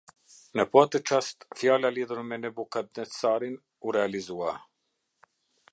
Në po atë çast fjala lidhur me Nebukadnetsarin u realizua.